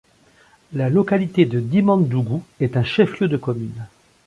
La localité de Dimandougou est un chef-lieu de commune.